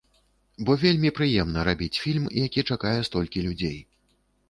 Бо вельмі прыемна рабіць фільм, які чакае столькі людзей.